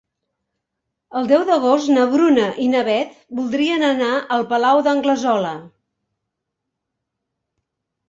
El deu d'agost na Bruna i na Beth voldrien anar al Palau d'Anglesola.